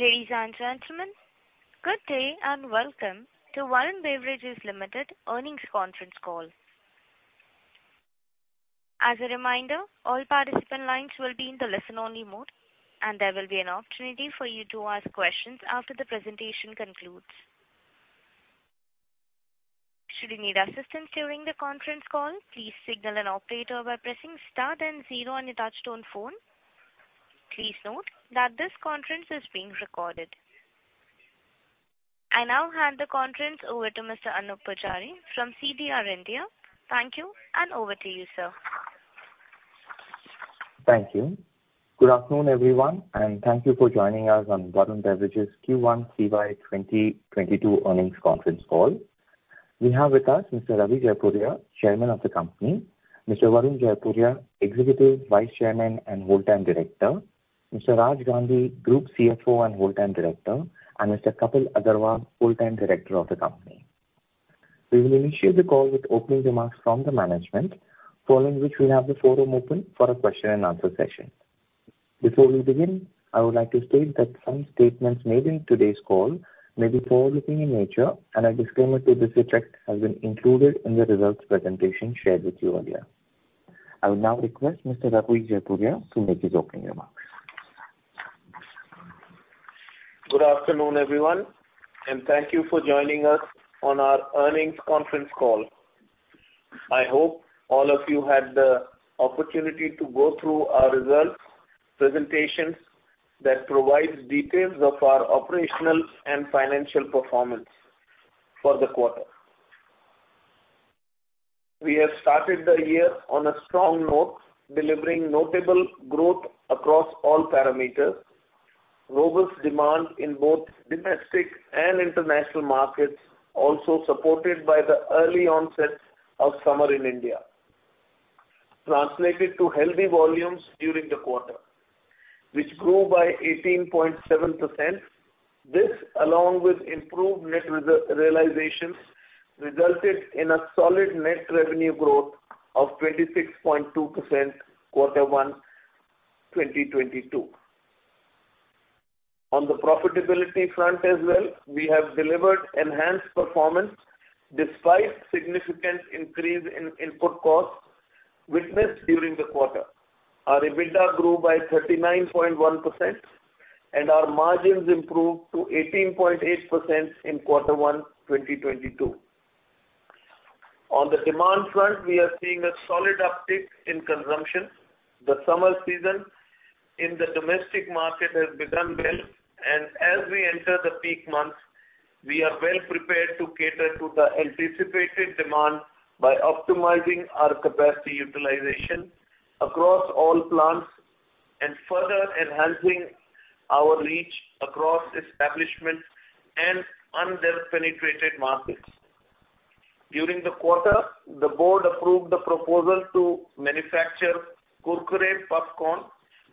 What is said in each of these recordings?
Ladies and gentlemen, good day and welcome to Varun Beverages Limited earnings conference call. As a reminder, all participant lines will be in the listen-only mode, and there will be an opportunity for you to ask questions after the presentation concludes. Should you need assistance during the conference call, please signal an operator by pressing star then zero on your touchtone phone. Please note that this conference is being recorded. I now hand the conference over to Mr. Anup Bajaj from CDR India. Thank you, and over to you, sir. Thank you. Good afternoon, everyone, and thank you for joining us on Varun Beverages Q1 CY 2022 earnings conference call. We have with us Mr. Ravi Jaipuria, Chairman of the company, Mr. Varun Jaipuria, Executive Vice Chairman and full-time director, Mr. Raj Gandhi, Group CFO and full-time director, and Mr. Kapil Agarwal, full-time director of the company. We will initiate the call with opening remarks from the management, following which we'll have the forum open for a question and answer session. Before we begin, I would like to state that some statements made in today's call may be forward-looking in nature, and a disclaimer to this effect has been included in the results presentation shared with you earlier. I will now request Mr. Ravi Jaipuria to make his opening remarks. Good afternoon, everyone, and thank you for joining us on our earnings conference call. I hope all of you had the opportunity to go through our results presentations that provides details of our operational and financial performance for the quarter. We have started the year on a strong note, delivering notable growth across all parameters. Robust demand in both domestic and international markets, also supported by the early onset of summer in India, translated to healthy volumes during the quarter, which grew by 18.7%. This, along with improved net realizations, resulted in a solid net revenue growth of 26.2% Q1 2022. On the profitability front as well, we have delivered enhanced performance despite significant increase in input costs witnessed during the quarter. Our EBITDA grew by 39.1%, and our margins improved to 18.8% in Quarter one 2022. On the demand front, we are seeing a solid uptick in consumption. The summer season in the domestic market has begun well, and as we enter the peak months, we are well prepared to cater to the anticipated demand by optimizing our capacity utilization across all plants and further enhancing our reach across establishments and under-penetrated markets. During the quarter, the board approved the proposal to manufacture Kurkure Puffcorn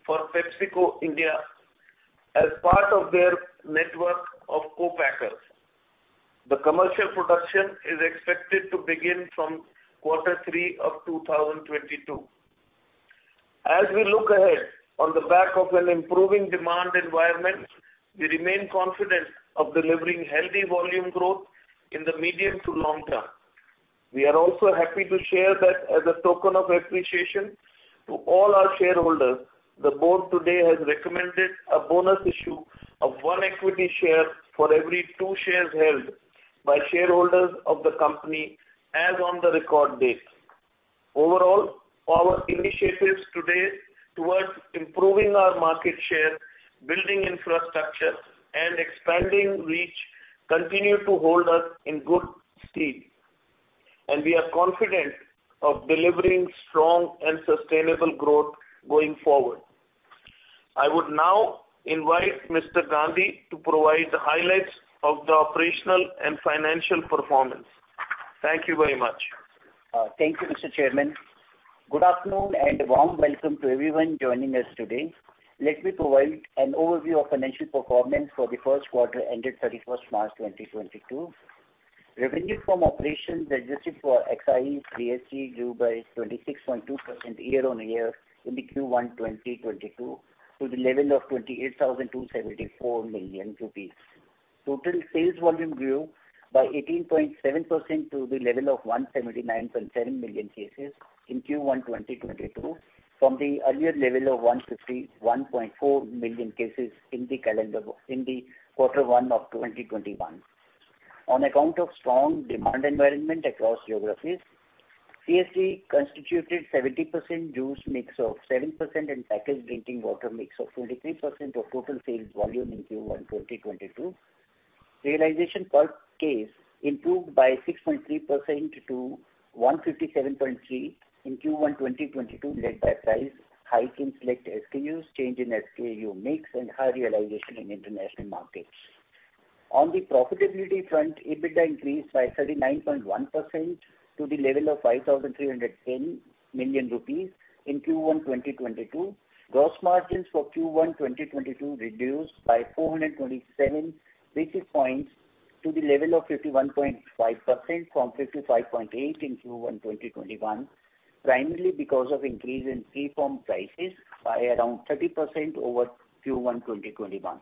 for PepsiCo India as part of their network of co-packers. The commercial production is expected to begin from Quarter three of 2022. As we look ahead on the back of an improving demand environment, we remain confident of delivering healthy volume growth in the medium to long term. We are also happy to share that as a token of appreciation to all our shareholders, the board today has recommended a bonus issue of one equity share for every two shares held by shareholders of the company as on the record date. Overall, our initiatives today towards improving our market share, building infrastructure, and expanding reach continue to hold us in good stead, and we are confident of delivering strong and sustainable growth going forward. I would now invite Mr. Gandhi to provide the highlights of the operational and financial performance. Thank you very much. Thank you, Mr. Chairman. Good afternoon and a warm welcome to everyone joining us today. Let me provide an overview of financial performance for the first quarter ended 31st March 2022. Revenue from operations adjusted for ex-CSD grew by 26.2% year-on-year in Q1 2022 to the level of 28,274 million rupees. Total sales volume grew by 18.7% to the level of 179.7 million cases in Q1 2022 from the earlier level of 151.4 million cases in the first quarter of 2021. On account of strong demand environment across geographies, CSD constituted 70% juice mix of 7% and packaged drinking water mix of 23% of total sales volume in Q1 2022. Realization per case improved by 6.3% to 157.3 in Q1 2022, led by price hike in select SKUs, change in SKU mix, and high realization in international markets. On the profitability front, EBITDA increased by 39.1% to the level of 5,310 million rupees in Q1 2022. Gross margins for Q1 2022 reduced by 427 basis points. To the level of 51.5% from 55.8% in Q1 2021, primarily because of increase in preform prices by around 30% over Q1 2021.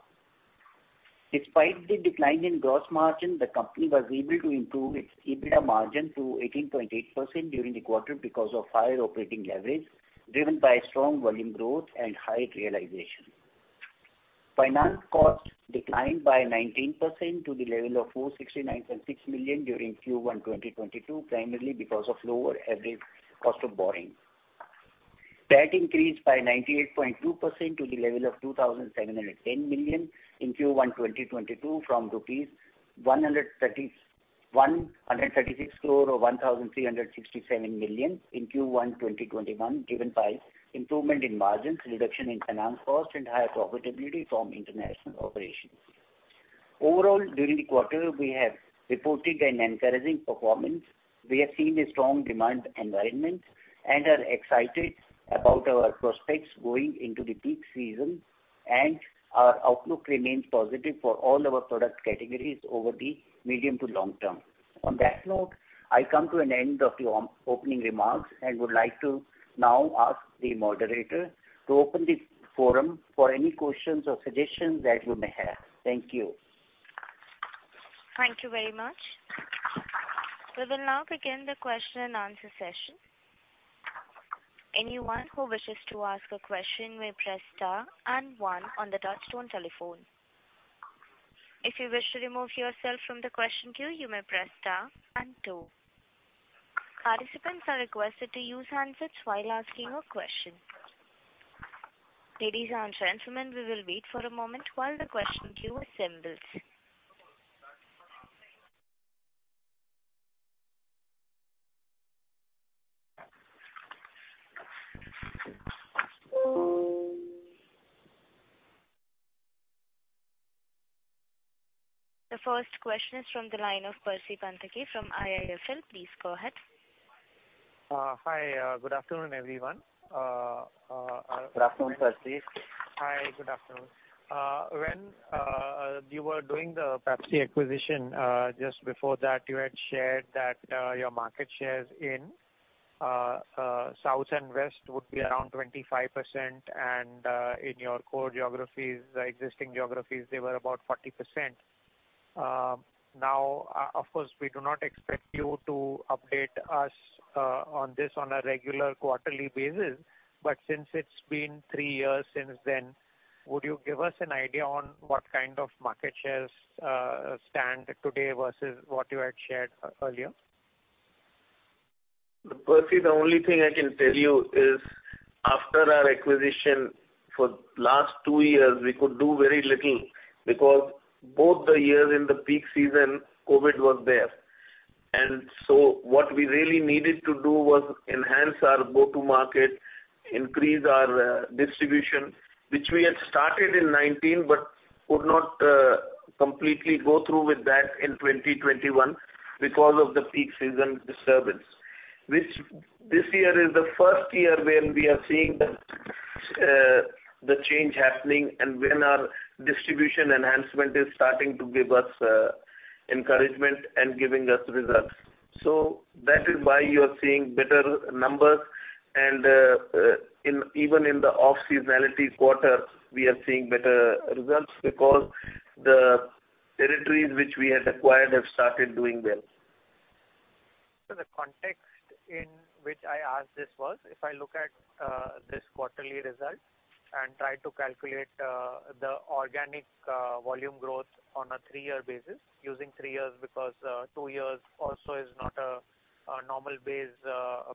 Despite the decline in gross margin, the company was able to improve its EBITDA margin to 18.8% during the quarter because of higher operating leverage, driven by strong volume growth and high realization. Finance cost declined by 19% to the level of 469.6 million during Q1 2022, primarily because of lower average cost of borrowing. Debt increased by 98.2% to the level of 2,710 million in Q1 2022 from rupees 1,336 crore, or 1,367 million, in Q1 2021, driven by improvement in margins, reduction in finance cost and higher profitability from international operations. Overall, during the quarter, we have reported an encouraging performance. We have seen a strong demand environment and are excited about our prospects going into the peak season. Our outlook remains positive for all our product categories over the medium to long term. On that note, I come to an end of the opening remarks and would like to now ask the moderator to open the forum for any questions or suggestions that you may have. Thank you. Thank you very much. We will now begin the question and answer session. Anyone who wishes to ask a question may press star and one on the touchtone telephone. If you wish to remove yourself from the question queue, you may press star and two. Participants are requested to use handsets while asking a question. Ladies and gentlemen, we will wait for a moment while the question queue assembles. The first question is from the line of Percy Panthaki from IIFL. Please go ahead. Hi, good afternoon, everyone. Good afternoon, Percy. Hi, good afternoon. When you were doing the Pepsi acquisition, just before that, you had shared that your market shares in south and west would be around 25%. In your core geographies, the existing geographies, they were about 40%. Now, of course, we do not expect you to update us on this on a regular quarterly basis. Since it's been three years since then, would you give us an idea on what kind of market shares stand today versus what you had shared earlier? Percy, the only thing I can tell you is after our acquisition for last two years, we could do very little because both the years in the peak season, COVID was there. What we really needed to do was enhance our go-to-market, increase our distribution, which we had started in 2019, but could not completely go through with that in 2021 because of the peak season disturbance. Which this year is the first year when we are seeing the change happening and when our distribution enhancement is starting to give us encouragement and giving us results. That is why you're seeing better numbers. Even in the off seasonality quarter, we are seeing better results because the territories which we had acquired have started doing well. The context in which I asked this was, if I look at this quarterly result and try to calculate the organic volume growth on a three-year basis, using three years because two years also is not a normal base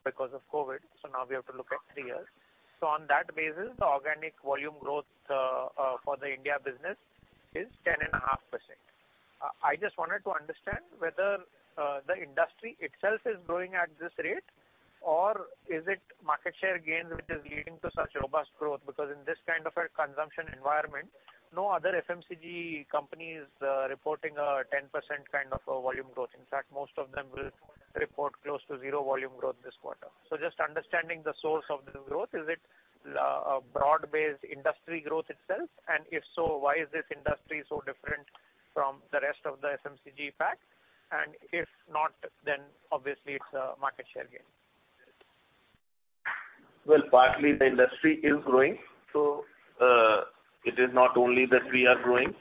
because of COVID, now we have to look at three years. On that basis, the organic volume growth for the India business is 10.5%. I just wanted to understand whether the industry itself is growing at this rate, or is it market share gains which is leading to such robust growth? Because in this kind of a consumption environment, no other FMCG company is reporting a 10% kind of a volume growth. In fact, most of them will report close to zero volume growth this quarter. Just understanding the source of the growth, is it a broad-based industry growth itself? If so, why is this industry so different from the rest of the FMCG pack? If not, then obviously it's a market share gain. Well, partly the industry is growing, so it is not only that we are growing.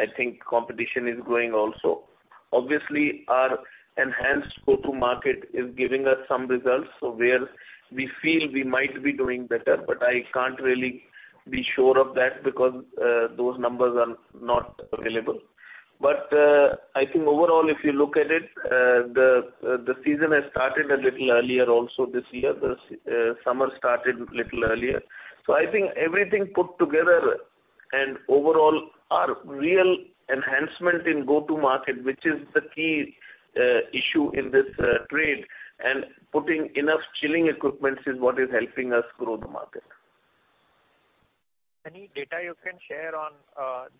I think competition is growing also. Obviously, our enhanced go-to market is giving us some results. Where we feel we might be doing better, but I can't really be sure of that because those numbers are not available. I think overall, if you look at it, the season has started a little earlier also this year. The summer started little earlier. I think everything put together and overall our real enhancement in go-to market, which is the key issue in this trade and putting enough chilling equipments is what is helping us grow the market. Any data you can share on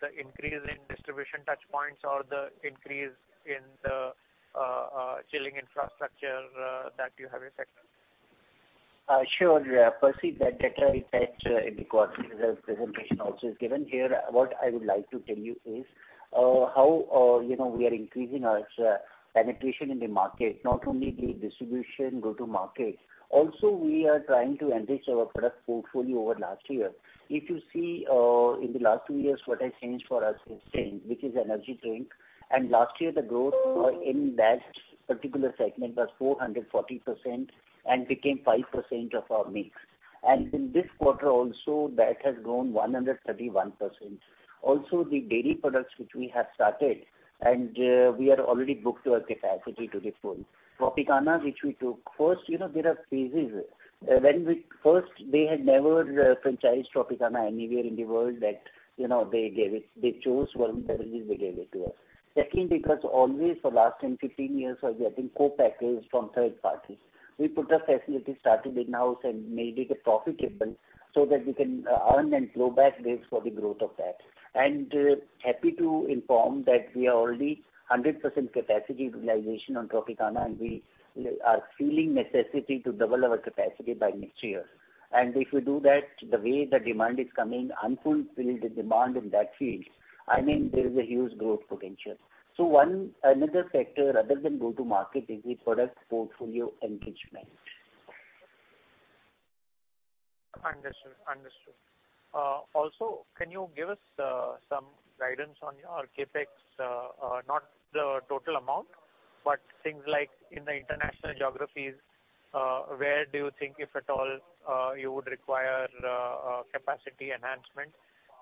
the increase in distribution touch points or the increase in the chilling infrastructure that you have effected? Sure, Percy, that data is attached in the quarterly results presentation also is given here. What I would like to tell you is, how, you know, we are increasing our penetration in the market, not only the distribution go-to-market. Also, we are trying to enrich our product portfolio over last year. If you see, in the last two years, what has changed for us is Sting, which is energy drink. Last year the growth in that particular segment was 440% and became 5% of our mix. In this quarter also that has grown 131%. Also, the dairy products which we have started and we are already booked to our capacity to the full. Tropicana, which we took. First, you know, there are phases. First, they had never franchised Tropicana anywhere in the world that, you know, they gave it, they chose Varun Beverages, they gave it to us. Second, because always for last 10, 15 years was getting co-packaged from third parties. We put a facility, started in-house and made it profitable so that we can earn and flow back this for the growth of that. Happy to inform that we are already 100% capacity realization on Tropicana, and we are feeling necessity to double our capacity by next year. If we do that, the way the demand is coming, unfulfilled demand in that field, I mean, there is a huge growth potential. One another factor other than go-to-market is the product portfolio enrichment. Understood. Also, can you give us some guidance on your CapEx? Not the total amount, but things like in the international geographies, where do you think, if at all, you would require capacity enhancement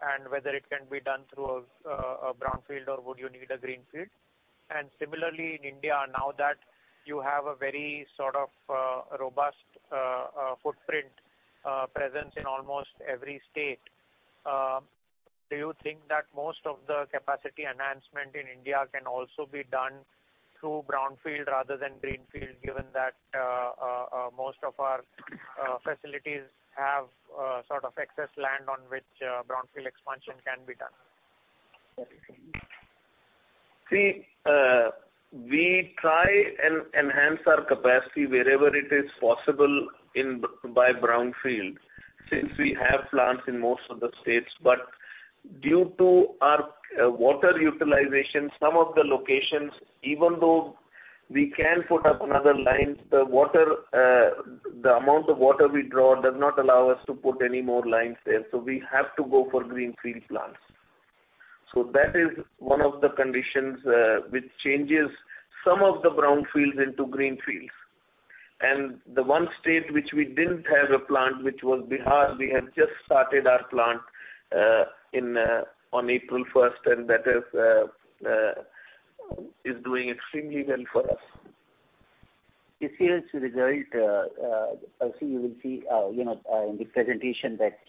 and whether it can be done through a brownfield or would you need a greenfield? Similarly, in India, now that you have a very sort of robust footprint presence in almost every state, do you think that most of the capacity enhancement in India can also be done through brownfield rather than greenfield, given that most of our facilities have sort of excess land on which brownfield expansion can be done? See, we try and enhance our capacity wherever it is possible by brownfield, since we have plants in most of the states. Due to our water utilization, some of the locations, even though we can put up another lines, the water, the amount of water we draw does not allow us to put any more lines there, so we have to go for greenfield plants. That is one of the conditions which changes some of the brownfields into greenfields. The one state which we didn't have a plant, which was Bihar, we have just started our plant in on April first, and that is doing extremely well for us. This year's result, also, you will see, you know, in the presentation that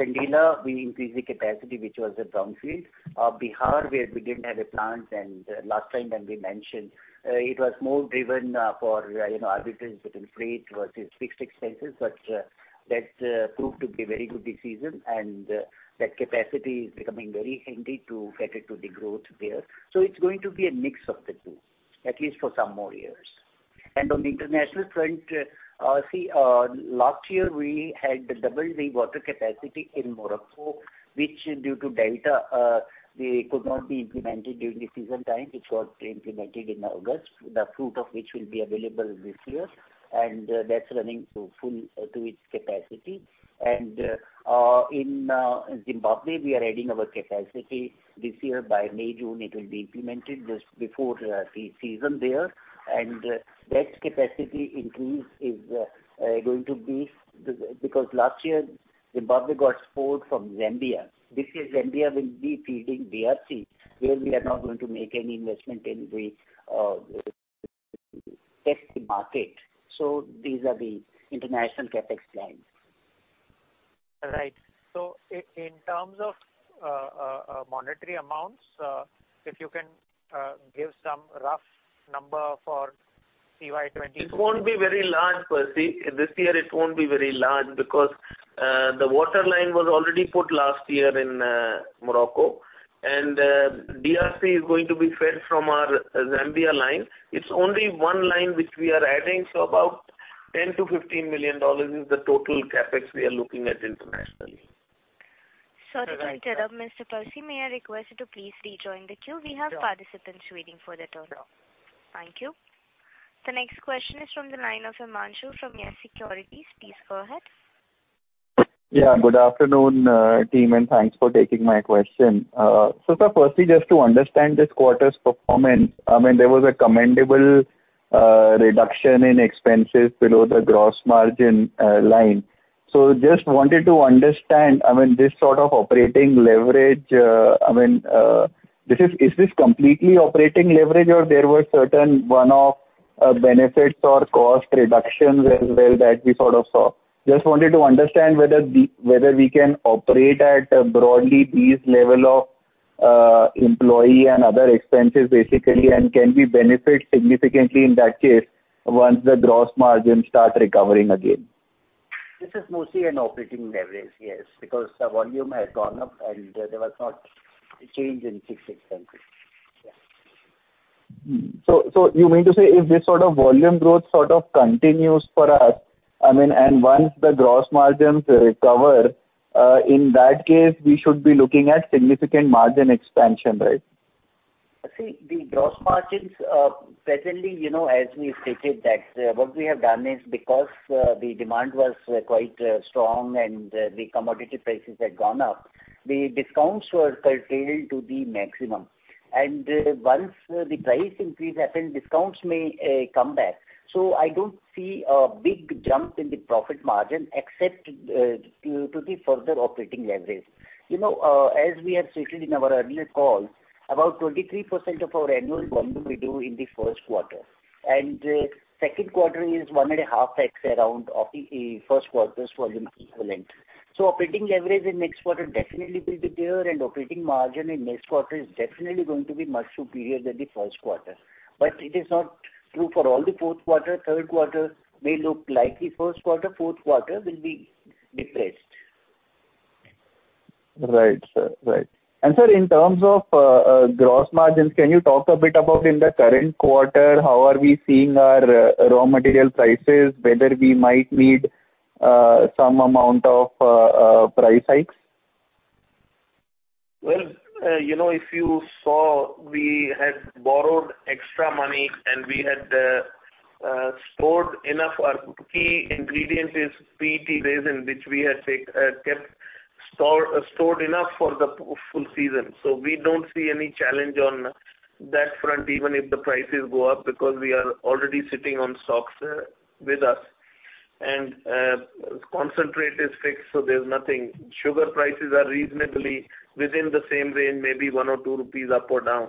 Sandila, we increased the capacity, which was a brownfield. Bihar, where we didn't have a plant, and last time when we mentioned, it was more driven for, you know, arbitrage between freight versus fixed expenses. That proved to be a very good decision, and that capacity is becoming very handy to cater to the growth there. It's going to be a mix of the two, at least for some more years. On the international front, see, last year we had doubled the water capacity in Morocco, which due to Delta, they could not be implemented during the season time. It got implemented in August, the fruit of which will be available this year, and that's running to full capacity. In Zimbabwe, we are adding our capacity this year. By May/June it will be implemented just before season there. Last year Zimbabwe got support from Zambia. This year Zambia will be feeding DRC, where we are not going to make any investment till we test the market. These are the international CapEx plans. Right. In terms of monetary amounts, if you can give some rough number for CY 2024. It won't be very large, Percy. This year it won't be very large because the water line was already put last year in Morocco, and DRC is going to be fed from our Zambia line. It's only one line which we are adding, so about $10-$15 million is the total CapEx we are looking at internationally. Sorry to interrupt, Mr. Percy. May I request you to please rejoin the queue? We have participants waiting for their turn. Thank you. The next question is from the line of Himanshu from Yes Securities. Please go ahead. Yeah, good afternoon, team, and thanks for taking my question. Sir, firstly, just to understand this quarter's performance, I mean, there was a commendable reduction in expenses below the gross margin line. Just wanted to understand, I mean, this sort of operating leverage, I mean, is this completely operating leverage or there were certain one-off benefits or cost reductions as well that we sort of saw? Just wanted to understand whether we can operate at broadly these level of employee and other expenses basically, and can we benefit significantly in that case once the gross margin start recovering again? This is mostly an operating leverage, yes. Because the volume has gone up and there was no change in fixed expenses. You mean to say if this sort of volume growth sort of continues for us, I mean, and once the gross margins recover, in that case, we should be looking at significant margin expansion, right? See, the gross margins, presently, you know, as we stated that what we have done is because, the demand was quite strong and the commodity prices had gone up, the discounts were curtailed to the maximum. Once the price increase happens, discounts may come back. I don't see a big jump in the profit margin except to the further operating leverage. You know, as we have stated in our earlier call, about 23% of our annual volume we do in the first quarter, and second quarter is 1.5x around of the first quarter's volume equivalent. Operating leverage in next quarter definitely will be there, and operating margin in next quarter is definitely going to be much superior than the first quarter. It is not true for all the fourth quarter. Third quarter may look like the first quarter. Fourth quarter will be depressed. Right, sir. In terms of gross margins, can you talk a bit about, in the current quarter, how we are seeing our raw material prices, whether we might need some amount of price hikes? Well, you know, if you saw, we had borrowed extra money, and we had stored enough. Our key ingredient is PET resin, which we had stored enough for the full season. We don't see any challenge on that front, even if the prices go up, because we are already sitting on stocks with us. Concentrate is fixed, so there's nothing. Sugar prices are reasonably within the same range, maybe 1 or 2 rupees up or down.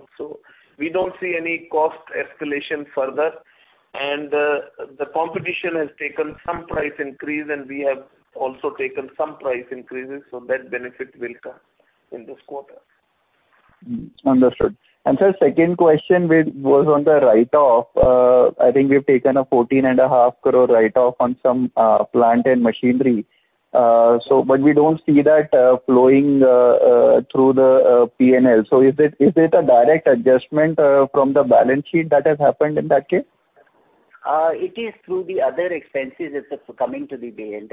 We don't see any cost escalation further. The competition has taken some price increase, and we have also taken some price increases, so that benefit will come in this quarter. Understood. Sir, second question was on the write-off. I think we've taken a 14.5 crore write-off on some plant and machinery. But we don't see that flowing through the P&L. Is it a direct adjustment from the balance sheet that has happened in that case? It is through the other expenses, it's coming to the P&L.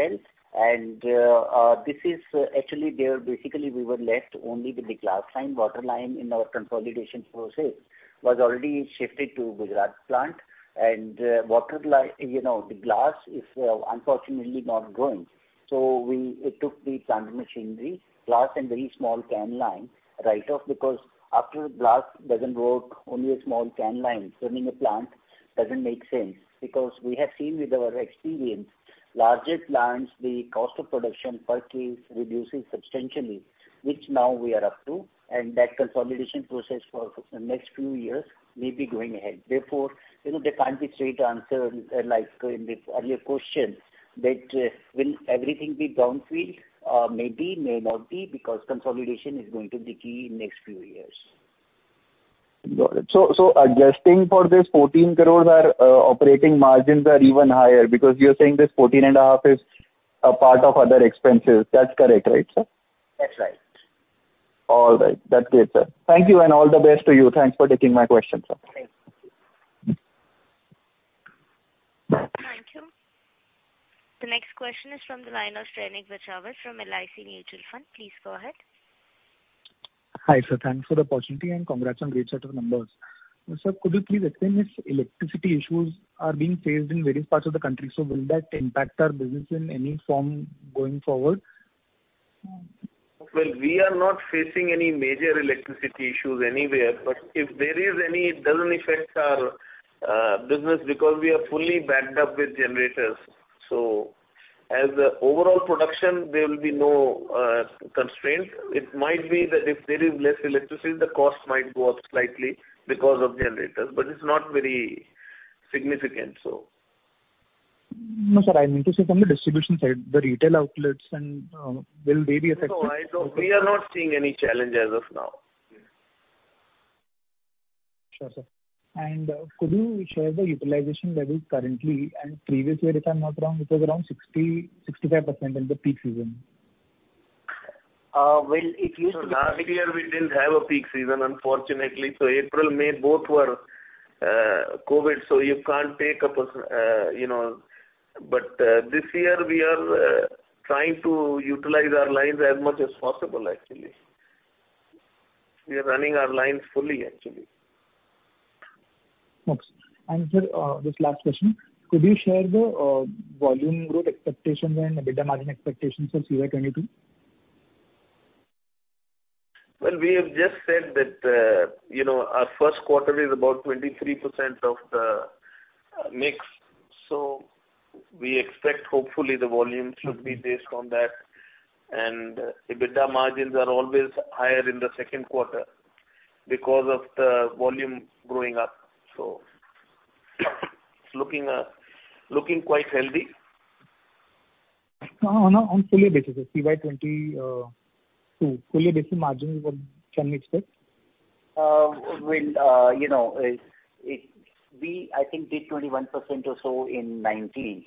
This is actually there. Basically, we were left only with the glass line. Water line in our consolidation process was already shifted to Gujarat plant. Water line, you know, the glass is unfortunately not growing. We took the plant machinery, glass and very small can line write-off, because after glass doesn't work, only a small can line running a plant doesn't make sense. Because we have seen with our experience, larger plants, the cost of production per case reduces substantially, which now we are up to, and that consolidation process for the next few years will be going ahead. Therefore, you know, there can't be straight answer like in the earlier question that will everything be down scaled. Maybe, may not be, because consolidation is going to be key in next few years. Got it. Adjusting for this 14 crore, our operating margins are even higher because you're saying this 14.5 crore is a part of other expenses. That's correct. Right, sir? That's right. All right. That's clear, sir. Thank you, and all the best to you. Thanks for taking my questions, sir. Thanks. Thank you. The next question is from the line of Shrenik Bachhawat from LIC Mutual Fund. Please go ahead. Hi, sir. Thanks for the opportunity, and congrats on great set of numbers. Sir, could you please explain if electricity issues are being faced in various parts of the country, so will that impact our business in any form going forward? Well, we are not facing any major electricity issues anywhere. If there is any, it doesn't affect our business because we are fully backed up with generators. As an overall production, there will be no constraints. It might be that if there is less electricity, the cost might go up slightly because of generators, but it's not very significant, so. No, sir, I mean to say from the distribution side, the retail outlets and will they be affected? No, I don't. We are not seeing any challenge as of now. Sure, sir. Could you share the utilization level currently? Previous year, if I'm not wrong, it was around 60-65% in the peak season. Well, if you Last year we didn't have a peak season, unfortunately. April, May both were COVID, so you can't take a you know. This year we are trying to utilize our lines as much as possible, actually. We are running our lines fully, actually. Okay. Sir, this last question, could you share the volume growth expectations and EBITDA margin expectations for CY22? Well, we have just said that, you know, our first quarter is about 23% of the mix. We expect hopefully the volume should be based on that. EBITDA margins are always higher in the second quarter because of the volume growing up. It's looking quite healthy. On a full year basis, sir, CY22, full year basis margin, what can we expect? Well, you know, we, I think did 21% or so in 2019,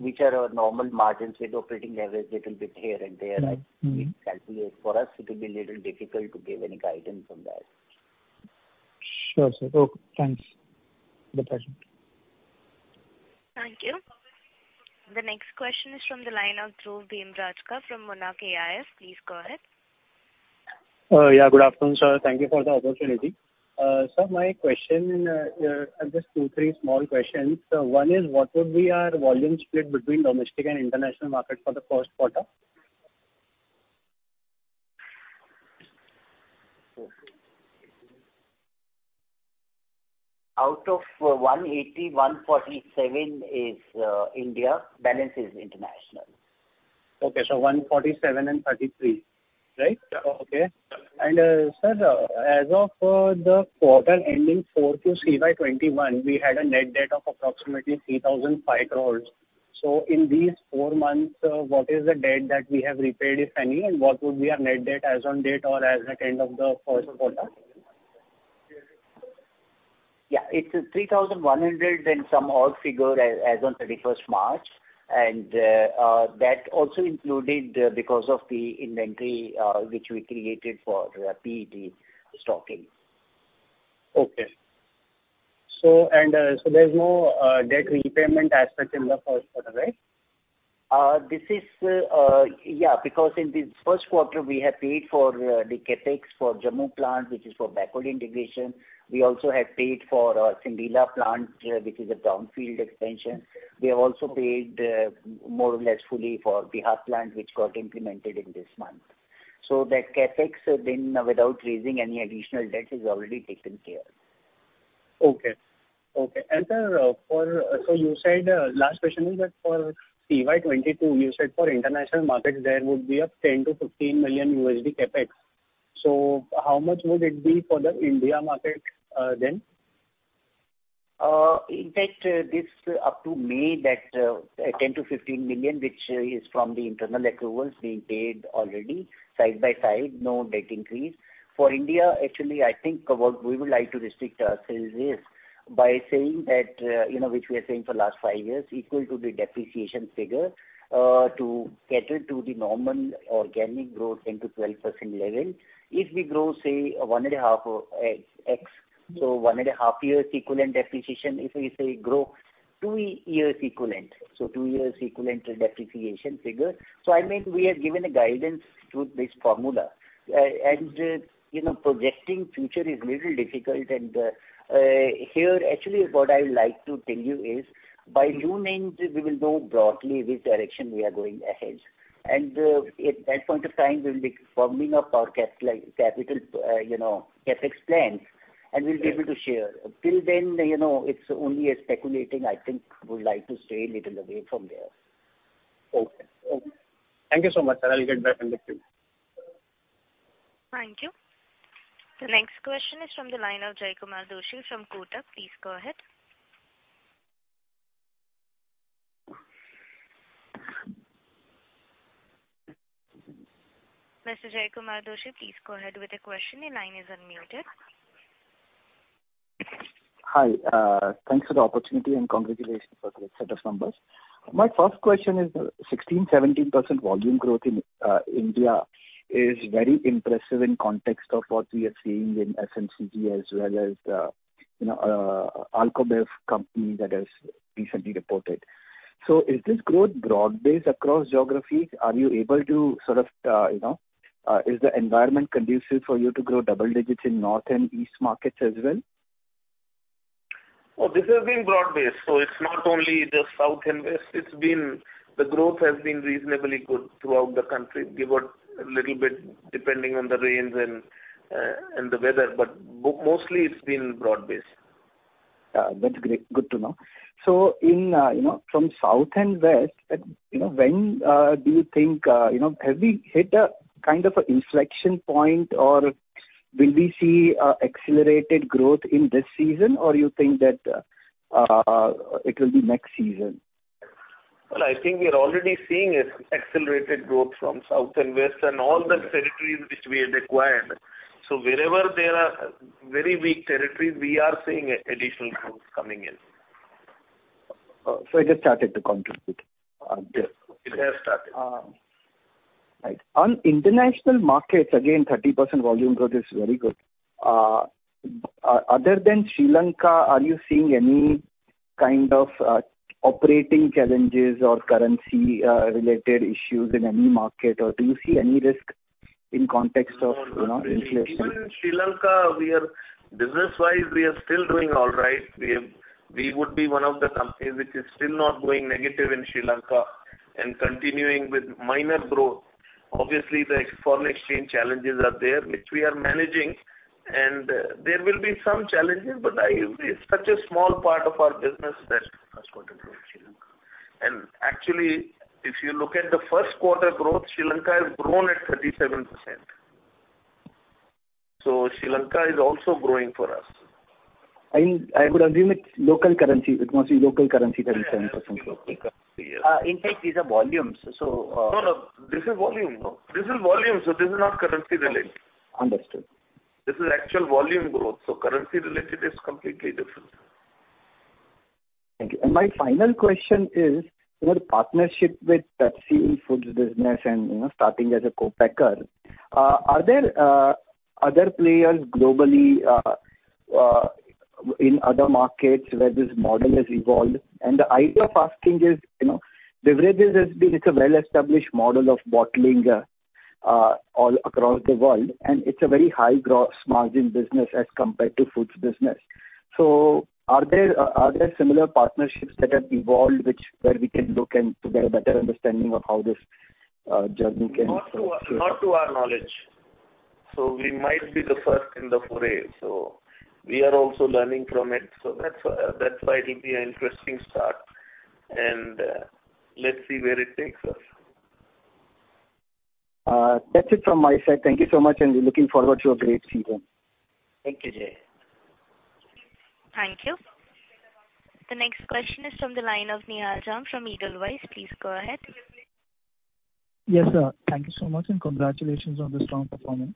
which are our normal margins with operating leverage little bit here and there. Mm-hmm. We calculate. For us, it will be little difficult to give any guidance on that. Sure, sir. OK, thanks. Good afternoon. Thank you. The next question is from the line of Dhruv Dhimrajka from Monarch AIF. Please go ahead. Yeah, good afternoon, sir. Thank you for the opportunity. Sir, my question, just two, three small questions. One is, what would be our volume split between domestic and international market for the first quarter? Out of 180, 147 is India. Balance is international. Okay, 147 and 33, right? Yeah. Okay. Sir, as of the quarter ending 31 March 2021, we had a net debt of approximately 3,500 crores. In these four months, what is the debt that we have repaid, if any, and what would be our net debt as on date or as at end of the first quarter? Yeah, it's 3,100 and some odd figure as on thirty-first March. That also included because of the inventory which we created for PET stocking. There's no debt repayment aspect in the first quarter, right? This is because in the first quarter we have paid for the CapEx for Jammu plant, which is for backward integration. We also have paid for Sandila plant, which is a brownfield expansion. We have also paid more or less fully for Bihar plant, which got implemented in this month. That CapEx then without raising any additional debt is already taken care. Sir, so you said, last question is that for CY 2022, you said for international markets there would be a $10-$15 million CapEx. How much would it be for the India market, then? In fact, this up to May that $10-$15 million, which is from the internal accruals being paid already side by side, no debt increase. For India, actually, I think what we would like to restrict ourselves is by saying that, you know, which we are saying for last five years, equal to the depreciation figure, to cater to the normal organic growth 10%-12% level. If we grow, say, 1.5x. So 1.5-year equivalent depreciation if we say grow two year equivalent, so two years equivalent depreciation figure. I mean we have given a guidance through this formula. You know, projecting future is little difficult and, here actually what I would like to tell you is by June end we will know broadly which direction we are going ahead. At that point of time we'll be forming up our capital CapEx plans, and we'll be able to share. Till then, you know, it's only speculating. I think we would like to stay little away from there. Okay. Thank you so much, sir. I'll get back in the queue. Thank you. The next question is from the line of Jaykumar Doshi from Kotak. Please go ahead. Mr. Jaykumar Doshi, please go ahead with the question. Your line is unmuted. Hi. Thanks for the opportunity and congratulations for the set of numbers. My first question is, 16%-17% volume growth in India is very impressive in context of what we are seeing in FMCG as well as, you know, Alcobev company that has recently reported. Is this growth broad-based across geographies? Are you able to sort of, you know, is the environment conducive for you to grow double digits in north and east markets as well? Oh, this has been broad-based, so it's not only the south and west, it's been. The growth has been reasonably good throughout the country, give or take a little bit depending on the rains and the weather, but mostly it's been broad-based. That's great. Good to know. In, you know, from south and west, you know, when do you think, you know, have we hit a kind of a inflection point or will we see accelerated growth in this season, or you think that it will be next season? Well, I think we are already seeing accelerated growth from South and West and all the territories which we had acquired. Wherever there are very weak territories, we are seeing additional growth coming in. It has started to contribute. Yes. It has started. Right. On international markets, again 30% volume growth is very good. Other than Sri Lanka, are you seeing any kind of operating challenges or currency related issues in any market? Do you see any risk in context of, you know, inflation? No, not really. Even in Sri Lanka we are, business-wise, we are still doing all right. We would be one of the company which is still not going negative in Sri Lanka and continuing with minor growth. Obviously, the foreign exchange challenges are there, which we are managing, and there will be some challenges, but it's such a small part of our business that First quarter growth Sri Lanka. Actually, if you look at the first quarter growth, Sri Lanka has grown at 37%. Sri Lanka is also growing for us. I would assume it's local currency. It must be local currency, 37%. Yes, local currency, yes. In fact, these are volumes, so. No, no. This is volume. No, this is volume, so this is not currency related. Understood. This is actual volume growth, so currency related is completely different. Thank you. My final question is your partnership with PepsiCo Foods business and, you know, starting as a co-packer, are there other players globally in other markets where this model has evolved? The idea of asking is, you know, beverages has been it's a well-established model of bottling all across the world, and it's a very high gross margin business as compared to foods business. Are there similar partnerships that have evolved which we can look to get a better understanding of how this journey can- Not to our knowledge. We might be the first in the foray, so we are also learning from it. That's why it'll be an interesting start. Let's see where it takes us. That's it from my side. Thank you so much, and we're looking forward to a great season. Thank you, Jay. Thank you. The next question is from the line of Nihal Jham from Edelweiss. Please go ahead. Yes, sir. Thank you so much, and congratulations on the strong performance.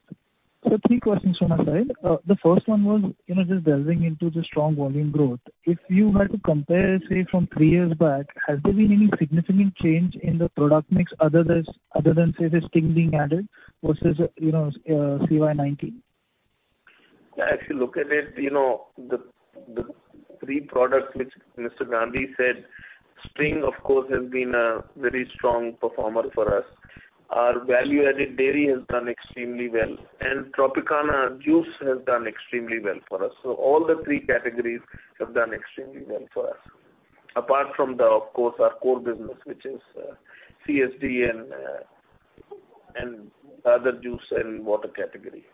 Three questions from my side. The first one was, you know, just delving into the strong volume growth. If you had to compare, say, from three years back, has there been any significant change in the product mix other than, say, the Sting being added versus, you know, CY 19? As you look at it, you know, the three products which Mr. Gandhi said, Sting, of course, has been a very strong performer for us. Our value-added dairy has done extremely well, and Tropicana Juice has done extremely well for us. All the three categories have done extremely well for us. Apart from, of course, our core business, which is CSD and other juice and water category.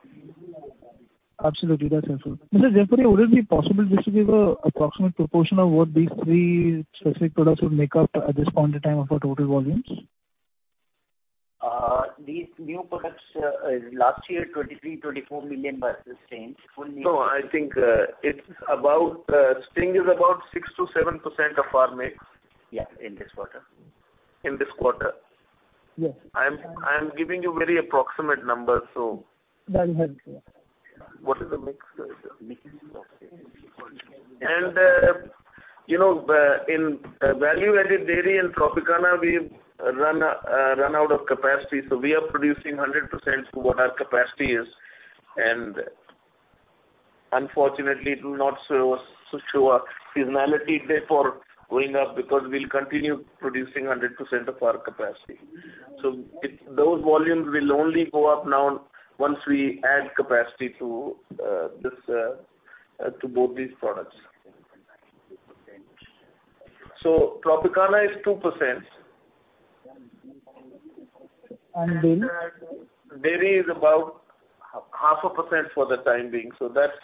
Absolutely. That's helpful. Mr. Jaipuria, would it be possible just to give an approximate proportion of what these three specific products would make up at this point in time of our total volumes? These new products last year, 23-24 million versus Sting. No, I think Sting is about 6%-7% of our mix. Yeah, in this quarter. In this quarter. Yes. I'm giving you very approximate numbers, so. That is helpful. What is the mix? You know, in value-added dairy in Tropicana, we've run out of capacity. We are producing 100% what our capacity is. Unfortunately it will not show a seasonality therefore going up because we'll continue producing 100% of our capacity. Those volumes will only go up now once we add capacity to both these products. Tropicana is 2%. Dairy? Dairy is about 0.5% for the time being. That's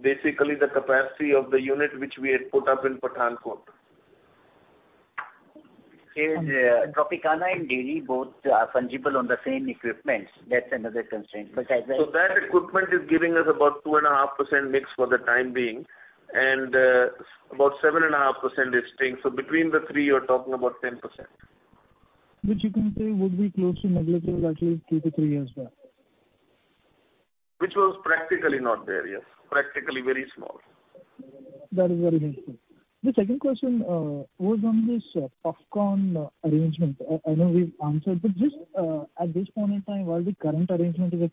basically the capacity of the unit which we had put up in Pathankot. Okay. Yeah. Tropicana and dairy both are fungible on the same equipment. That's another constraint. That equipment is giving us about 2.5% mix for the time being and, about 7.5% is Sting. Between the three, you're talking about 10%. Which you can say would be close to negligible, actually, two to three years back. Which was practically not there. Yes. Practically very small. That is very useful. The second question was on this popcorn arrangement. I know we've answered, but just at this point in time, what the current arrangement is with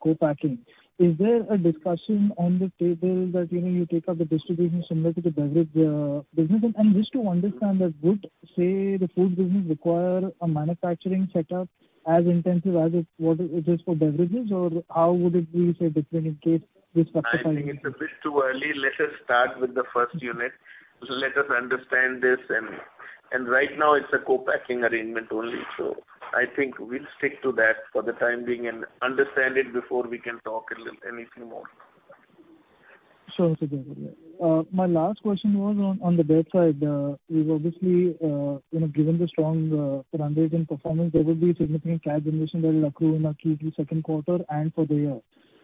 co-packing. Is there a discussion on the table that, you know, you take up the distribution similar to the beverage business end? Just to understand that would, say, the food business require a manufacturing setup as intensive as it, what it is for beverages or how would it be, say, different in case this. I think it's a bit too early. Let us start with the first unit. Let us understand this and right now it's a co-packing arrangement only. I think we'll stick to that for the time being and understand it before we can talk a little anything more. Sure, Mr. Jaipuria. My last question was on the debt side. We've obviously, you know, given the strong run rates and performance, there will be significant cash generation that will accrue in our Q2 second quarter and for the year.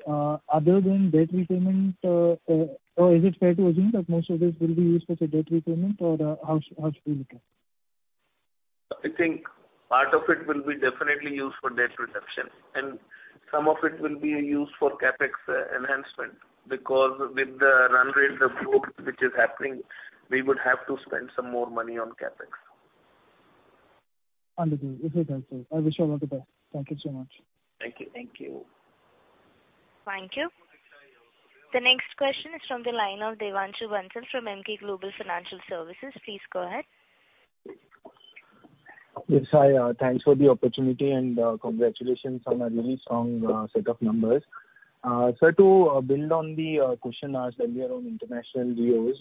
Other than debt repayment, or is it fair to assume that most of this will be used for the debt repayment or how's it being looked at? I think part of it will be definitely used for debt reduction, and some of it will be used for CapEx enhancement because with the run rate of growth which is happening, we would have to spend some more money on CapEx. Understood. This is helpful. I wish you all the best. Thank you so much. Thank you. Thank you. Thank you. The next question is from the line of Devanshu Bansal from Emkay Global Financial Services. Please go ahead. Yes, hi. Thanks for the opportunity and, congratulations on a really strong set of numbers. To build on the question asked earlier on international geos.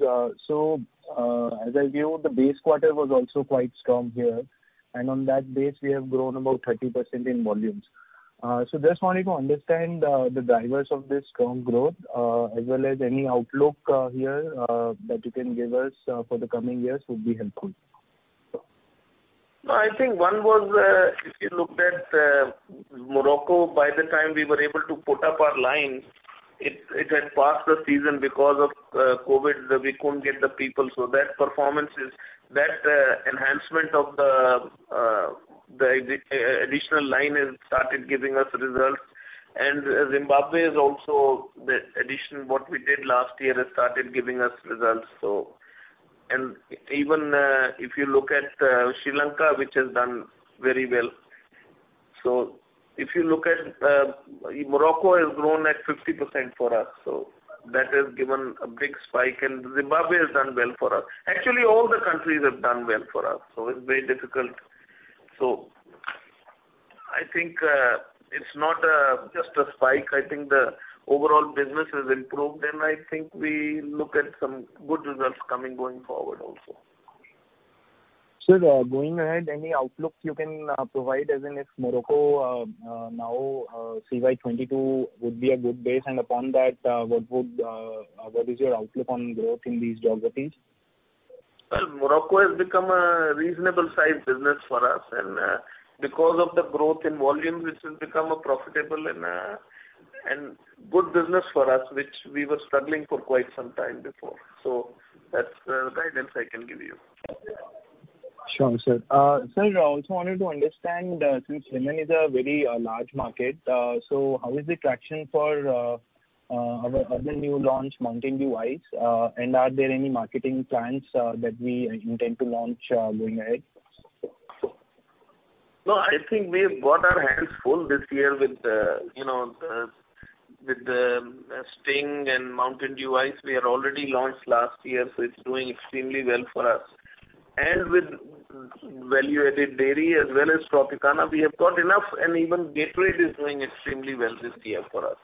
As I view the base quarter was also quite strong here, and on that base, we have grown about 30% in volumes. Just wanted to understand the drivers of this strong growth, as well as any outlook here that you can give us for the coming years would be helpful. No, I think one was if you looked at Morocco, by the time we were able to put up our lines, it had passed the season because of COVID. We couldn't get the people. That enhancement of the additional line has started giving us results. Zimbabwe is also the addition what we did last year has started giving us results. Even if you look at Sri Lanka, which has done very well. If you look at Morocco has grown at 50% for us, so that has given a big spike, and Zimbabwe has done well for us. Actually, all the countries have done well for us, so it's very difficult. I think it's not just a spike. I think the overall business has improved, and I think we look at some good results coming going forward also. Sir, going ahead, any outlook you can provide as in if Morocco now CY 2022 would be a good base, and upon that, what is your outlook on growth in these geographies? Well, Morocco has become a reasonable sized business for us. Because of the growth in volume, this has become a profitable and good business for us, which we were struggling for quite some time before. That's the guidance I can give you. Sure, sir. Sir, I also wanted to understand, since India is a very large market, so how is the traction for our other new launch, Mountain Dew Ice? Are there any marketing plans that we intend to launch going ahead? No, I think we've got our hands full this year with the Sting and Mountain Dew Ice we had already launched last year, so it's doing extremely well for us. With value added dairy as well as Tropicana, we have got enough, and even Gatorade is doing extremely well this year for us.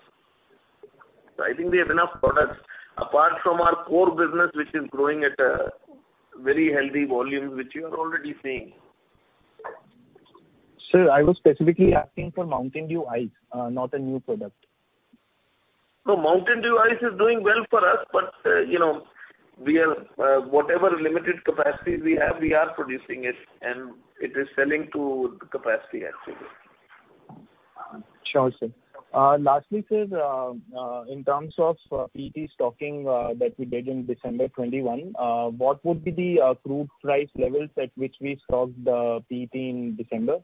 I think we have enough products apart from our core business, which is growing at a very healthy volume, which you are already seeing. Sir, I was specifically asking for Mountain Dew Ice, not a new product. No, Mountain Dew Ice is doing well for us. You know, we are whatever limited capacity we have, we are producing it, and it is selling to the capacity actually. Sure, sir. Lastly, sir, in terms of PET stocking that we did in December 2021, what would be the crude price levels at which we stocked the PET in December?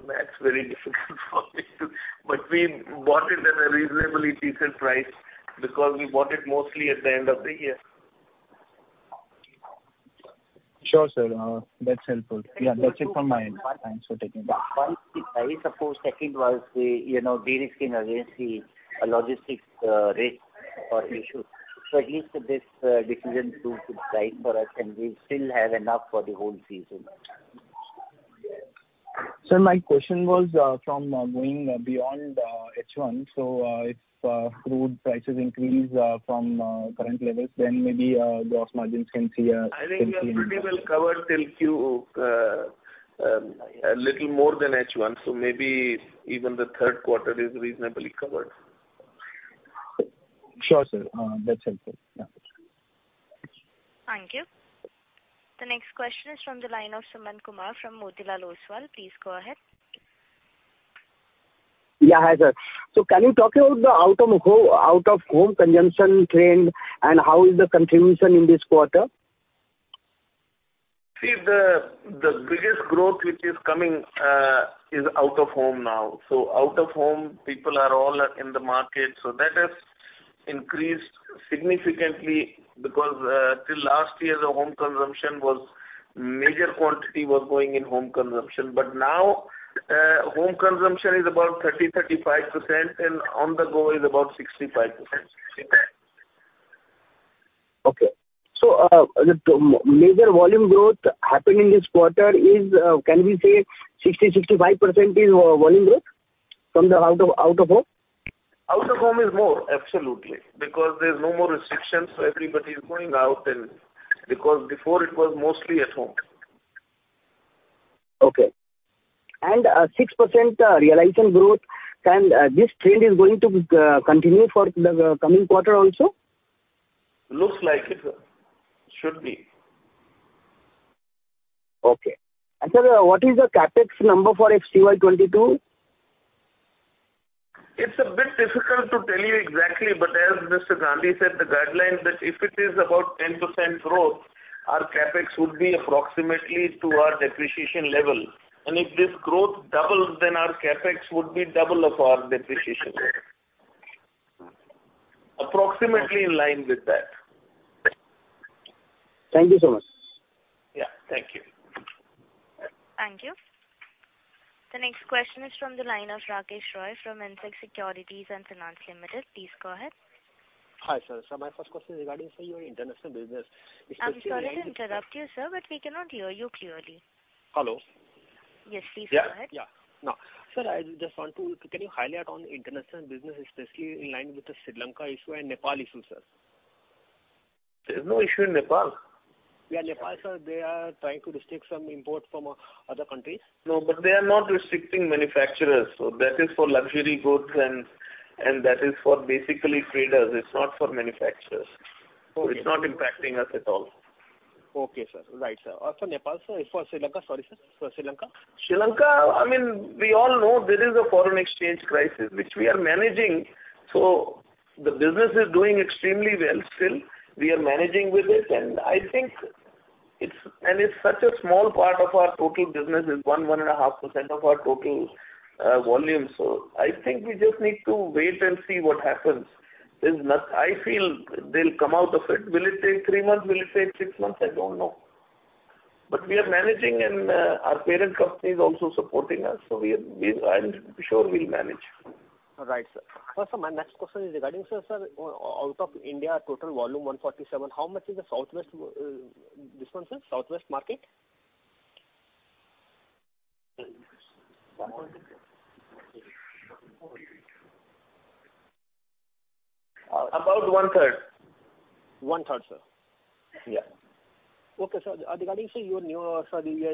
The math's very difficult for me. We bought it at a reasonably decent price because we bought it mostly at the end of the year. Sure, sir. That's helpful. Yeah, that's it from my end. Thanks for taking my- One is the price. Of course, second was the, you know, de-risking against the logistics, risk or issue. So at least this decision proved to be right for us, and we still have enough for the whole season. Sir, my question was from going beyond H1, so if crude prices increase from current levels, then maybe gross margins can see a- I think we are pretty well covered till Q, a little more than H1, so maybe even the third quarter is reasonably covered. Sure, sir. That's helpful. Yeah. Thank you. The next question is from the line of Sumant Kumar from Motilal Oswal. Please go ahead. Yeah, hi sir. Can you talk about the out of home consumption trend and how is the contribution in this quarter? The biggest growth which is coming is out of home now. Out of home, people are all in the market. That has increased significantly because till last year the major quantity was going in home consumption. Now, home consumption is about 35%, and on the go is about 65%. Okay. The major volume growth happening this quarter is, can we say 65% is volume growth from the out of home? Out of home is more, absolutely. Because there's no more restrictions, so everybody is going out. Because before it was mostly at home. Okay. 6% realization growth, can this trend is going to continue for the coming quarter also? Looks like it. Should be. Okay. Sir, what is the CapEx number for FY 2022? It's a bit difficult to tell you exactly, but as Mr. Gandhi said, the guideline that if it is about 10% growth, our CapEx would be approximately to our depreciation level. If this growth doubles, then our CapEx would be double of our depreciation. Approximately in line with that. Thank you so much. Yeah. Thank you. Thank you. The next question is from the line of Rakesh Roy from Indsec Securities and Finance Limited. Please go ahead. Hi, sir. My first question is regarding, sir, your international business, especially. I'm sorry to interrupt you, sir, but we cannot hear you clearly. Hello. Yes, please go ahead. Sir, I just want to, can you highlight on international business, especially in line with the Sri Lanka issue and Nepal issue, sir? There's no issue in Nepal. Yeah, Nepal, sir, they are trying to restrict some import from other countries. No, but they are not restricting manufacturers. That is for luxury goods and that is for basically traders. It's not for manufacturers. Okay. It's not impacting us at all. Okay, sir. Right, sir. Also Nepal, sir. For Sri Lanka, sorry, sir. For Sri Lanka. Sri Lanka, I mean, we all know there is a foreign exchange crisis, which we are managing. The business is doing extremely well still. We are managing with it, and I think it's. It's such a small part of our total business. It's 1-1.5% of our total volume. I think we just need to wait and see what happens. I feel they'll come out of it. Will it take three months? Will it take six months? I don't know. We are managing, and our parent company is also supporting us, so we are. I'm sure we'll manage. All right, sir. First, my next question is regarding out of India total volume 147, how much is the southwest this one, sir, southwest market? About one third. One third, sir. Yeah. Okay, sir. Regarding, say, your new strategy where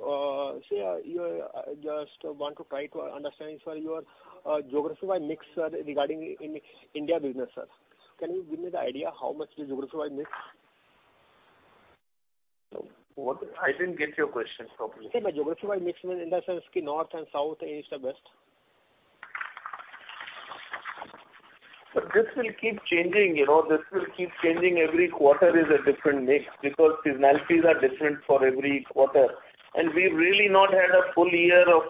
you just want to try to understand, sir, your geographic mix, sir, regarding in India business, sir. Can you give me the idea how much is geographic mix? What? I didn't get your question properly. Geography by mix means in the sense north and south, east and west. This will keep changing. You know, this will keep changing. Every quarter is a different mix because seasonalities are different for every quarter. We've really not had a full year of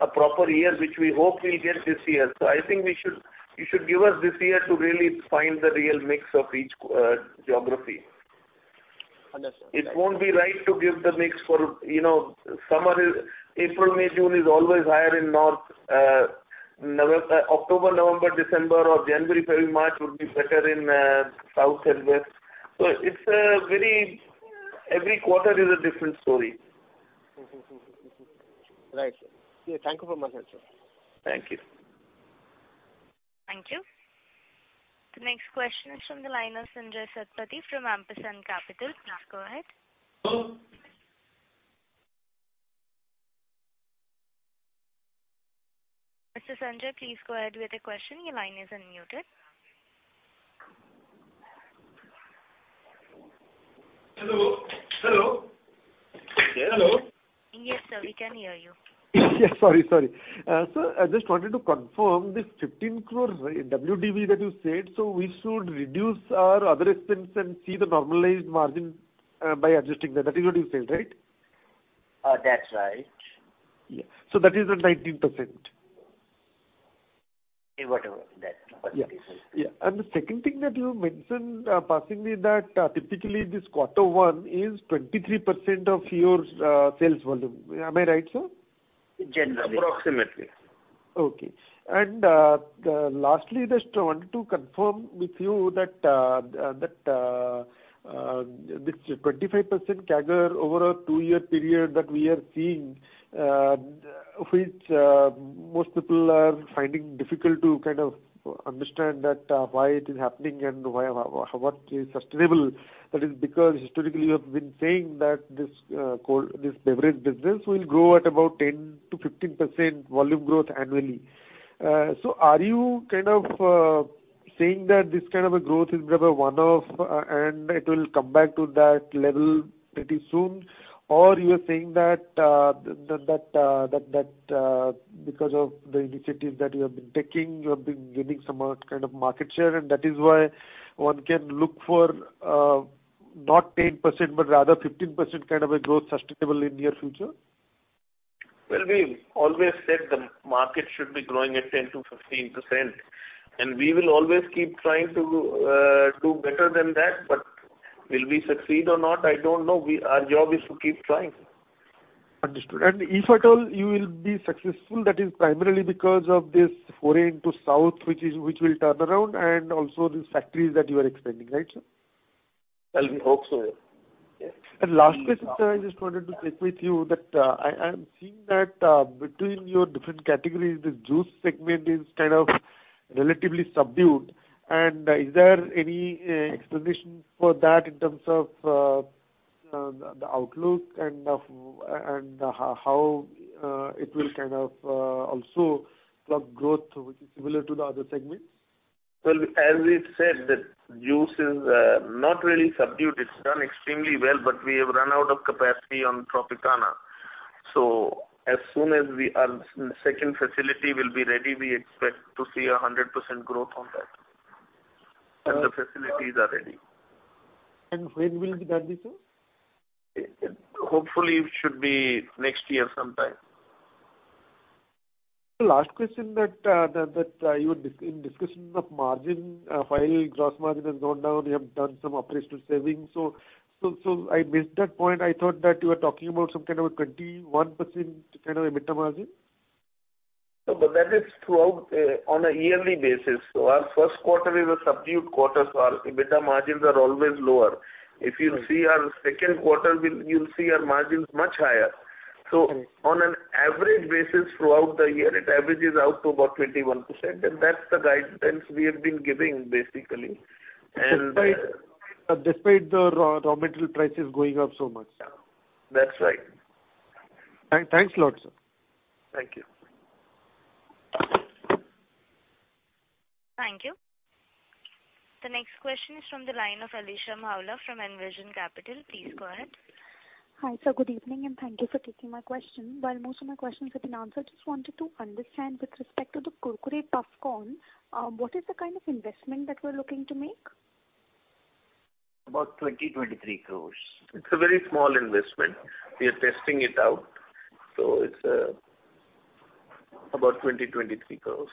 a proper year, which we hope we'll get this year. I think you should give us this year to really find the real mix of each geography. Understood. It won't be right to give the mix for, you know, summer is April, May, June is always higher in North. October, November, December or January, February, March would be better in, South and West. It's a very, every quarter is a different story. Right. Thank you for your answer. Thank you. Thank you. The next question is from the line of Sanjaya Satpathy from Ampersand Capital. Please go ahead. Mr. Sanjaya, please go ahead with your question. Your line is unmuted. Hello? Yes, sir, we can hear you. Yes. Sorry, sir, I just wanted to confirm this 15 crore WDV that you said. We should reduce our other expense and see the normalized margin by adjusting that. That is what you said, right? That's right. Yeah. That is the 19%. Yeah, whatever that percentage is. Yeah. The second thing that you mentioned, pardon me, that typically this quarter one is 23% of your sales volume. Am I right, sir? Generally. Approximately. Okay. Lastly, just wanted to confirm with you that this 25% CAGR over a two year period that we are seeing, which most people are finding difficult to kind of understand that why it is happening and why what is sustainable. That is because historically you have been saying that this cold beverage business will grow at about 10%-15% volume growth annually. Are you kind of saying that this kind of a growth is rather one-off and it will come back to that level pretty soon? You are saying that because of the initiatives that you have been taking, you have been gaining some kind of market share, and that is why one can look for not 10%, but rather 15% kind of a growth sustainable in near future? Well, we always said the market should be growing at 10%-15%. We will always keep trying to do better than that. Will we succeed or not? I don't know. We, our job is to keep trying. Understood. If at all you will be successful, that is primarily because of this foray into South, which will turn around and also the factories that you are expanding, right, sir? Well, we hope so. Yes. Lastly, sir, I just wanted to check with you that I'm seeing that between your different categories, the juice segment is kind of relatively subdued. Is there any explanation for that in terms of the outlook and how it will kind of also plug growth, which is similar to the other segments? Well, as we've said that juice is not really subdued. It's done extremely well, but we have run out of capacity on Tropicana. As soon as our second facility will be ready, we expect to see 100% growth on that. The facilities are ready. When will that be, sir? Hopefully, it should be next year sometime. The last question that you were in discussion of margin, while gross margin has gone down, you have done some operational savings. I missed that point. I thought that you were talking about some kind of a 21% kind of EBITDA margin. No, but that is throughout, on a yearly basis. Our first quarter is a subdued quarter, so our EBITDA margins are always lower. If you see our second quarter, you'll see our margins much higher. On an average basis throughout the year, it averages out to about 21%. That's the guidance we have been giving basically. Despite the raw material prices going up so much. That's right. Thanks a lot, sir. Thank you. Thank you. The next question is from the line of Alisha Mahawala from Envision Capital. Please go ahead. Hi, sir. Good evening, and thank you for taking my question. While most of my questions have been answered, just wanted to understand with respect to the Kurkure Puffcorn, what is the kind of investment that we're looking to make? About 20 crore-23 crore. It's a very small investment. We are testing it out. It's about 23 crores.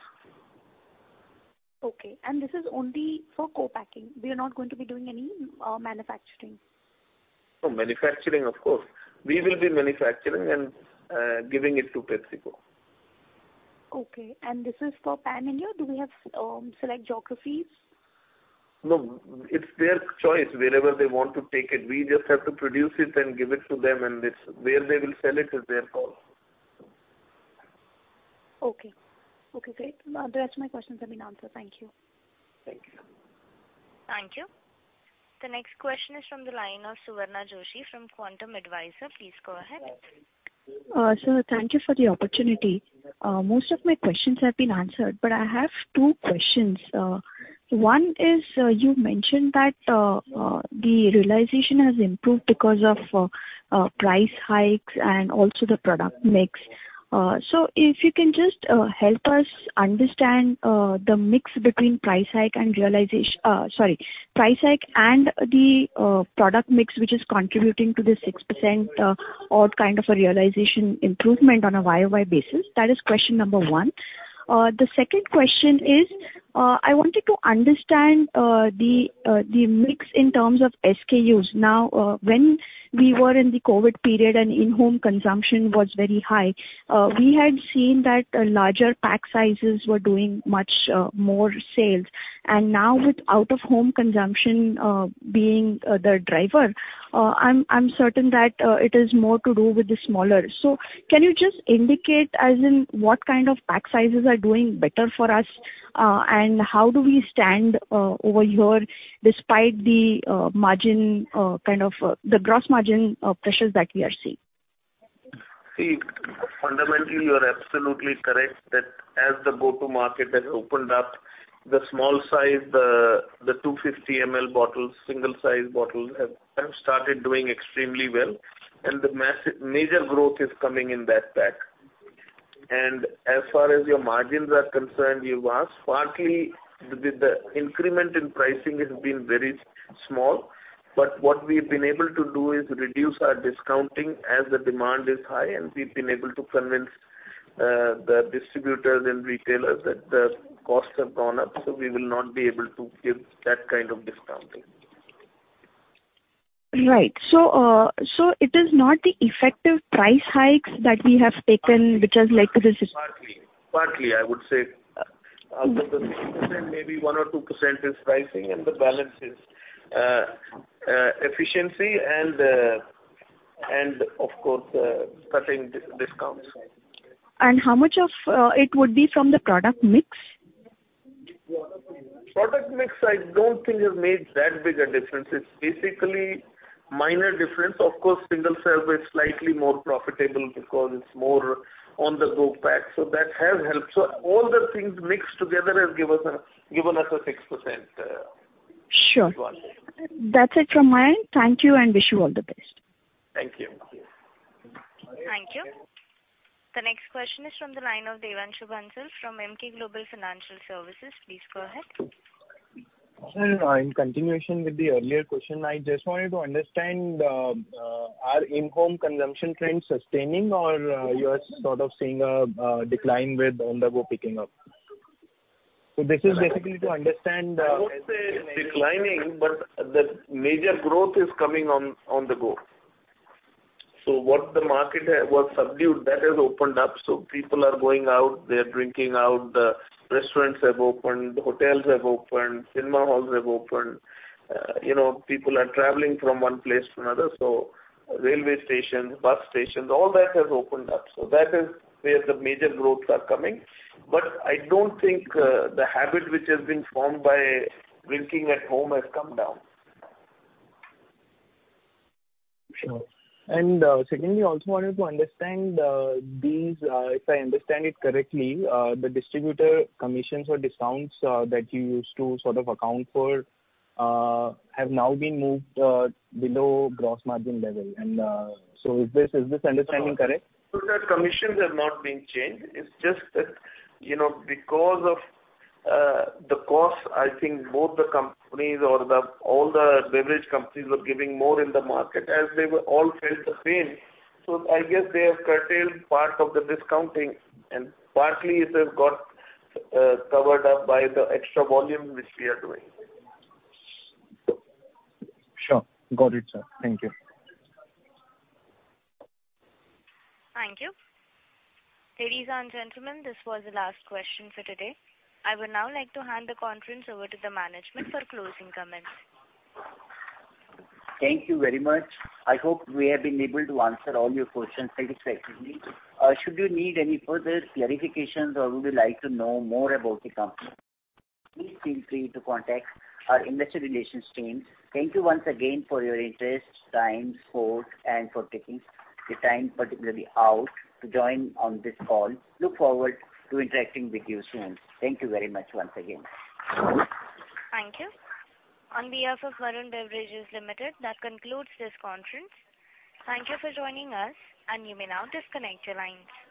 Okay. This is only for co-packing. We are not going to be doing any manufacturing. No, manufacturing, of course. We will be manufacturing and giving it to PepsiCo. Okay. This is for Pan India. Do we have select geographies? No, it's their choice wherever they want to take it. We just have to produce it and give it to them, and it's where they will sell it is their call. Okay. Okay, great. The rest of my questions have been answered. Thank you. Thank you. Thank you. The next question is from the line of Suvarna Joshi from Quantum Advisors. Please go ahead. Sir, thank you for the opportunity. Most of my questions have been answered, but I have two questions. One is, you mentioned that the realization has improved because of price hikes and also the product mix. So if you can just help us understand the mix between price hike and the product mix, which is contributing to the 6% or kind of a realization improvement on a YOY basis. That is question number one. The second question is, I wanted to understand the mix in terms of SKUs. Now, when we were in the COVID period and in-home consumption was very high, we had seen that larger pack sizes were doing much more sales. Now with out-of-home consumption being the driver, I'm certain that it is more to do with the smaller. Can you just indicate as in what kind of pack sizes are doing better for us, and how do we stand over here despite the margin kind of the gross margin pressures that we are seeing? See, fundamentally, you are absolutely correct that as the go-to market has opened up, the small size, the 250 ml bottles, single size bottles have started doing extremely well. The major growth is coming in that pack. As far as your margins are concerned, you asked, partly the increment in pricing has been very small, but what we've been able to do is reduce our discounting as the demand is high, and we've been able to convince the distributors and retailers that the costs have gone up, so we will not be able to give that kind of discounting. Right. It is not the effective price hikes that we have taken which has led to this. Partly, I would say. Out of the 6%, maybe 1% or 2% is pricing, and the balance is efficiency and, of course, cutting discounts. How much of it would be from the product mix? Product mix I don't think has made that big a difference. It's basically minor difference. Of course, single serve is slightly more profitable because it's more on-the-go pack, so that has helped. All the things mixed together has given us a 6%. Sure. -growth. That's it from my end. Thank you and wish you all the best. Thank you. Thank you. The next question is from the line of Devanshu Bansal from Emkay Global Financial Services. Please go ahead. Sir, in continuation with the earlier question, I just wanted to understand, are in-home consumption trends sustaining or you are sort of seeing a decline with on-the-go picking up? This is basically to understand. I won't say declining, but the major growth is coming on-the-go. What the market had, what subdued, that has opened up, so people are going out. They're drinking out. The restaurants have opened. The hotels have opened. Cinema halls have opened. You know, people are traveling from one place to another, so railway stations, bus stations, all that has opened up. That is where the major growths are coming. I don't think the habit which has been formed by drinking at home has come down. Sure. Secondly, I also wanted to understand these, if I understand it correctly, the distributor commissions or discounts that you used to sort of account for have now been moved below gross margin level and so is this understanding correct? No, the commissions have not been changed. It's just that, you know, because of the cost, I think both the companies or the all the beverage companies were giving more in the market as they were all felt the same. I guess they have curtailed part of the discounting and partly it has got covered up by the extra volume which we are doing. Sure. Got it, sir. Thank you. Thank you. Ladies and gentlemen, this was the last question for today. I would now like to hand the conference over to the management for closing comments. Thank you very much. I hope we have been able to answer all your questions satisfactorily. Should you need any further clarifications or would like to know more about the company, please feel free to contact our investor relations team. Thank you once again for your interest, time, support and for taking the time particularly out to join on this call. Look forward to interacting with you soon. Thank you very much once again. Thank you. On behalf of Varun Beverages Limited, that concludes this conference. Thank you for joining us, and you may now disconnect your lines.